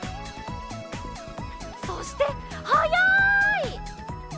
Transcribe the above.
そしてはやい！